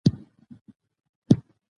علم رڼا ده